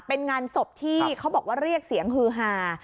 เป็นงานศพที่เขาบอกว่าเรียกเสียงฮือฮา